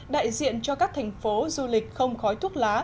đại diện cho các thành phố du lịch không khói thuốc lá